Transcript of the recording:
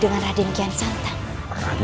dengan raikian santu